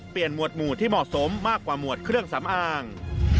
หมวดหมู่ที่เหมาะสมมากกว่าหมวดเครื่องสำอาง